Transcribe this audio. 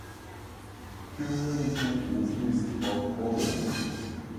The community is east of Olean.